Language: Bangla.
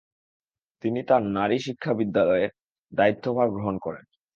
তিনি তার নারী শিক্ষা বিদ্যালয়ের দায়িত্বভার গ্রহণ করেন।